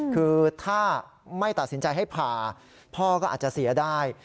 คือถ้าไม่ตัดสินใจให้ผ่าพ่อก็อาจจะเสียได้